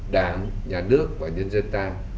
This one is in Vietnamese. đảng nhà nước và nhân dân ta